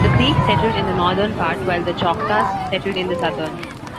The Creeks settled in the northern part, while the Choctaws settled in the southern.